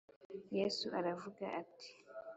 Yesu aravuga ati